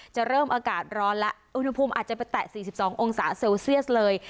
จะเริ่มอากาศร้อนแล้วอุณหภูมิอาจจะไปแตะ๔๒องศาเซลเซียสเลย